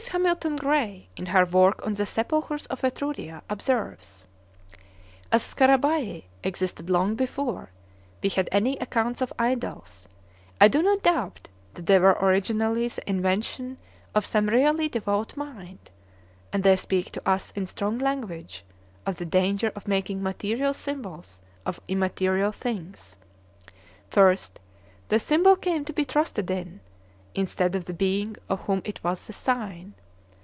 Hamilton Gray, in her work on the Sepulchres of Etruria, observes: "As scarabæi existed long before we had any account of idols, I do not doubt that they were originally the invention of some really devout mind; and they speak to us in strong language of the danger of making material symbols of immaterial things. First, the symbol came to be trusted in, instead of the being of whom it was the sign.